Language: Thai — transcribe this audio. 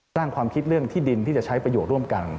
ตั้งความคิดเรื่องที่ดินที่จะใช้ประโยชน์ร่วมกัน